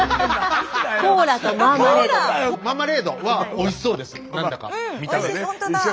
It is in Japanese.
ママレードはおいしそうです何だか。